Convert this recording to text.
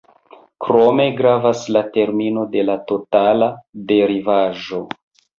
Krome gravas la termino de totala derivaĵo.